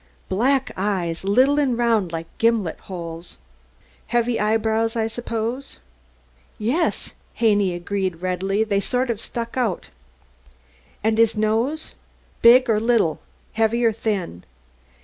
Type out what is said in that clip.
"Black eyes little an' round like gimlet holes." "Heavy eyebrows, I suppose?" "Yes," Haney agreed readily. "They sort o' stuck out." "And his nose? Big or little? Heavy or thin?"